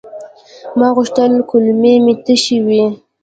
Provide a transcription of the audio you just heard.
ما غوښتل کولمې مې تشي وي.